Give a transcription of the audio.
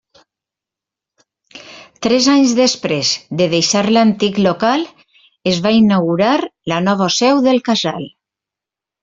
Tres anys després de deixar l'antic local, es va inaugurar la nova seu del Casal.